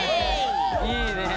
いいねえ。